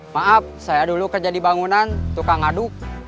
maaf saya dulu kerja di bangunan tukang aduk